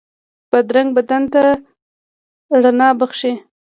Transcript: بادرنګ بدن ته رڼا بښي.